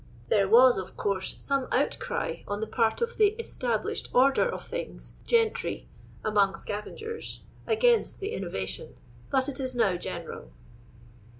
There was, of course, some outcry on the part of the " established order of things " gentry among sca vengers, against the innovation, but it is now general.